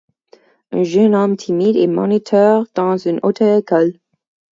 Un jeune homme timide est moniteur dans une auto-école.